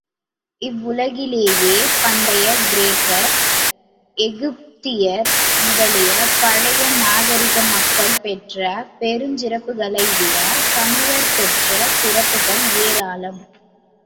இவ்வுலகிலேயே பண்டைய கிரேக்கர், எகுபதியர் முதலிய பழைய நாகரிக மக்கள் பெற்ற பெருஞ்சிறப்புகளைவிடத் தமிழர் பெற்ற சிறப்புகள் ஏராளம்!